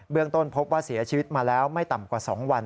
ต้นพบว่าเสียชีวิตมาแล้วไม่ต่ำกว่า๒วัน